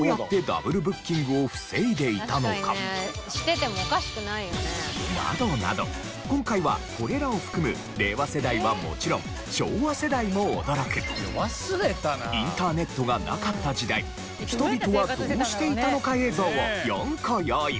しててもおかしくないよね。などなど今回はこれらを含む令和世代はもちろん昭和世代も驚くインターネットがなかった時代人々はどうしていたのか映像を４個用意。